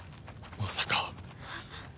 まさか。